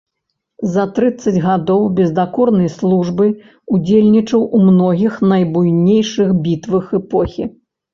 За трыццаць гадоў бездакорнай службы ўдзельнічаў у многіх найбуйнейшых бітвах эпохі.